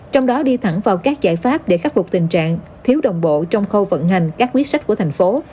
trong đó đi thẳng vào các giải pháp để khắc phục tình trạng thiếu đồng bộ trong khâu vận hành các quyết sách của thành phố